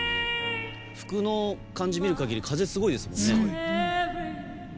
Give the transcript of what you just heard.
服の感じを見る限り風すごいですもんね。